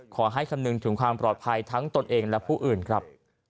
คำนึงถึงความปลอดภัยทั้งตนเองและผู้อื่นครับ